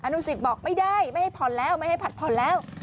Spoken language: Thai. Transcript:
นุสิตบอกไม่ได้ไม่ให้ผ่อนแล้วไม่ให้ผัดผ่อนแล้ว